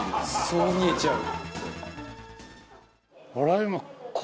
そう見えちゃう。